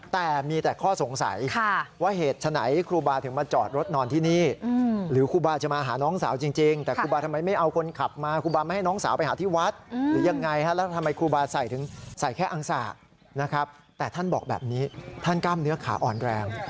แต่ท่านบอกแบบนี้ท่านกล้ามเนื้อขาอ่อนแรง